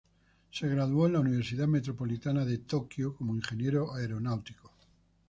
Se graduó en la universidad metropolitana de Tokio como ingeniero aeronáutico.